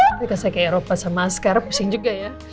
tapi kalau saya ke eropa sama askara pusing juga ya